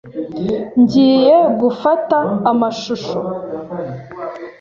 Ngiye gufata amashusho.